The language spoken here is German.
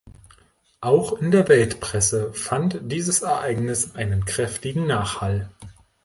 Auch in der Weltpresse fand dieses Ereignis einen kräftigen Nachhall.